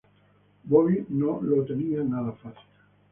Bobby no lo tenía nada fácil.